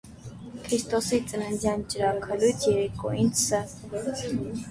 Քրիստոսի ծննդյան ճրագալույց երեկոյին ս.